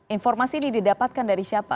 informasi ini didapatkan dari siapa